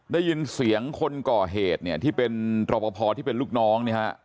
ได้ยินเสียงคนก่อเหตุเนี่ยที่เป็นรอปภที่เป็นลูกน้องเนี่ยฮะ